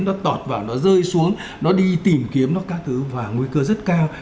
nó tọt và nó rơi xuống nó đi tìm kiếm nó các thứ và nguy cơ rất cao